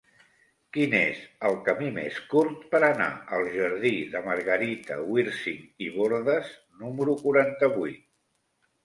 Quin és el camí més curt per anar al jardí de Margarita Wirsing i Bordas número quaranta-vuit?